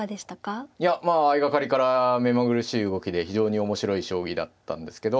いや相掛かりから目まぐるしい動きで非常に面白い将棋だったんですけど。